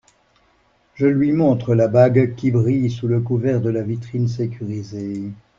Je lui montre la bague qui brille sous le couvert de la vitrine sécurisée.